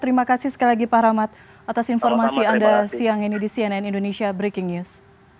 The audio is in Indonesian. terima kasih sekali lagi pak rahmat atas informasi anda siang ini di cnn indonesia breaking news